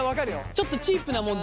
ちょっとチープなもの